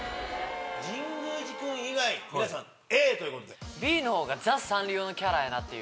神宮寺君以外皆さんＡということで。